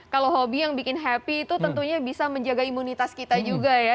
kalau hobi yang bikin happy itu tentunya bisa menjaga imunitas kita juga ya